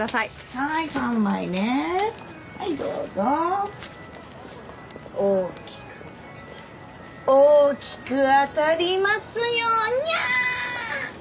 はい３枚ねはいどうぞ大きく大きく当たりますようニャー！